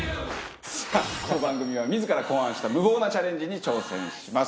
この番組は自ら考案した無謀なチャレンジに挑戦します